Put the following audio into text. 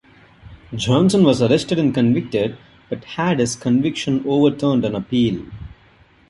Johnson was arrested and convicted, but had his conviction overturned on appeal.